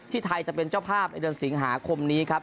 ไทยจะเป็นเจ้าภาพในเดือนสิงหาคมนี้ครับ